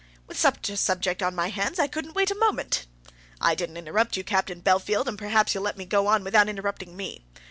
"With such a subject on my hands, I couldn't wait a moment." "I didn't interrupt you, Captain Bellfield, and perhaps you'll let me go on without interrupting me.